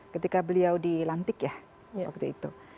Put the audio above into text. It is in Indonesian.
ketika beliau dilantik ya waktu itu